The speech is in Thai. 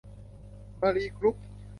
มาลีกรุ๊ป